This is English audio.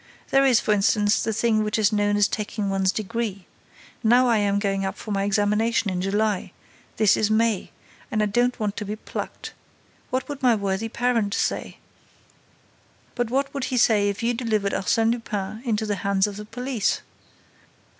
There is, for instance, the thing which is known as taking one's degree. Now I am going up for my examination in July. This is May. And I don't want to be plucked. What would my worthy parent say?" "But what would he say if you delivered Arsène Lupin into the hands of the police?"